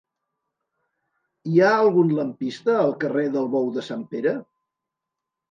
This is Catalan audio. Hi ha algun lampista al carrer del Bou de Sant Pere?